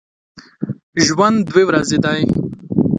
ژوند دوې ورځي دی